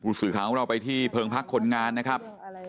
ผู้สื่อขังว่าเราไปที่เพิร์งพักคนงานนะครับ